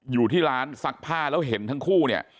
อยู่ที่ร้านซักผ้าแล้วเห็นทั้งคู่เนี่ย